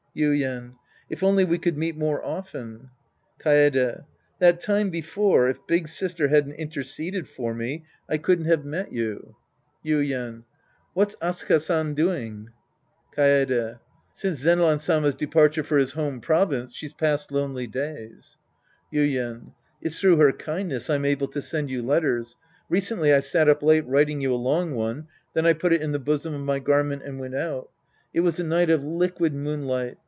Yuien. If only we could meet more often ! Kaede. That time before, if " big,3istet" hadn't interceded for me, I couldn't have met you. Sc. I The Priest and His Disciples 137 Yuien. What's Asaka San doing ? Kaede. Since Zenran Sama's departure for his home province, she's passed lonely days. Yuien. It's through her kindness I'm able to send you letters. Recently I sat up late writing you a long one. Then I put it in the bosom of my gar ment and went out. It was a night of liquid moon light.